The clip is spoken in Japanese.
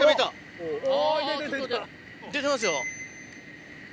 出てますよ。